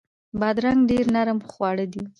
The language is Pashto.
بادرنګ ډیر نرم خواړه دي.